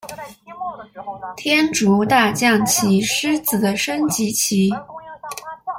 天竺大将棋狮子的升级棋。